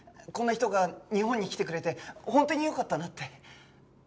こんな人が日本に来てくれて本当によかったなって。